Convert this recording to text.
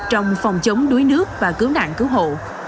trong phòng chống đuối nước và cứu nạn cứu hộ